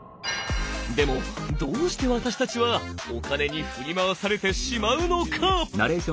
でもどうして私たちはお金に振り回されてしまうのか！？